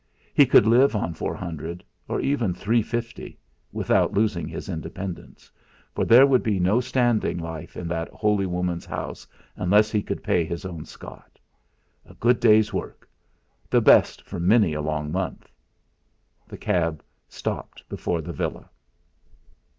He could live on four hundred, or even three fifty, without losing his independence, for there would be no standing life in that holy woman's house unless he could pay his own scot! A good day's work! The best for many a long month! The cab stopped before the villa.